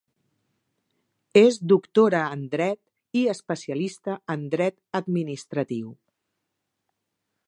És doctora en dret i especialista en dret administratiu.